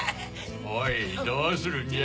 おいどうするんじゃ？